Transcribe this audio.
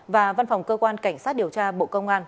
và văn phòng cơ quan cảnh sát điều tra bộ công an